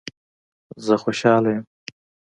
زه خوشحاله یم